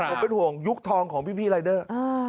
ผมเป็นห่วงยุคทองของพี่รายเดอร์